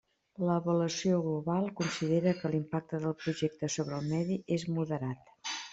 L'avaluació global considera que l'impacte del Projecte sobre el medi és moderat.